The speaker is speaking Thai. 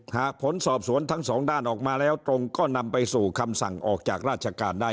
หากผลสอบสวนทั้งสองด้านออกมาแล้วตรงก็นำไปสู่คำสั่งออกจากราชการได้